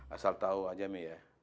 asal tau aja mi ya